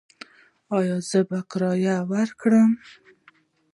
ایا زه باید کراټه وکړم؟